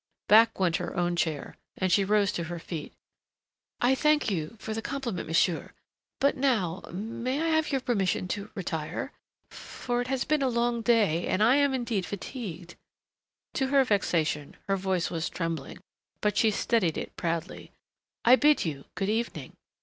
Back went her own chair, and she rose to her feet. "I thank you for the compliment, monsieur. But now have I your permission to retire? For it has been a long day and I am indeed fatigued " To her vexation her voice was trembling, but she steadied it proudly. "I bid you good evening."